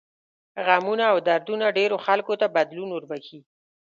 غمونه او دردونه ډېرو خلکو ته بدلون وربښي.